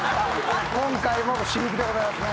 今回も私服でございますね。